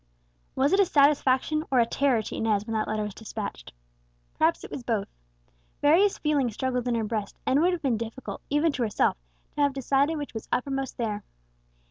Was it a satisfaction or a terror to Inez when that letter was despatched? Perhaps it was both. Various feelings struggled in her breast, and it would have been difficult, even to herself, to have decided which was uppermost there.